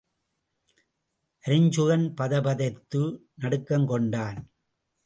அருஞ்சுகன் பதைபதைத்து நடுக்கங் கொண்டான்.